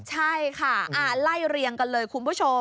ใช่ค่ะไล่เรียงกันเลยคุณผู้ชม